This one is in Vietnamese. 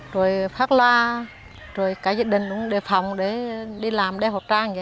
rồi phát loa rồi cả dự định để phòng để làm đeo hộp trang